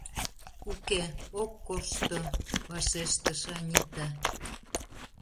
— Уке, ок коршто, — вашештыш Анита.